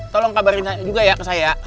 tolong kabarin juga ya ke saya